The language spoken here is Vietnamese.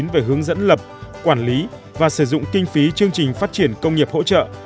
về hướng dẫn lập quản lý và sử dụng kinh phí chương trình phát triển công nghiệp hỗ trợ